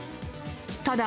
ただ、